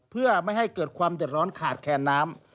เพื่อไม่ให้เกิดความเดือดร้อนขาดแคนน้ำ